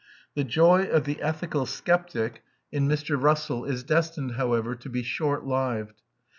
The joy of the ethical sceptic in Mr. Russell is destined, however, to be short lived.